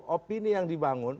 opini yang dibangun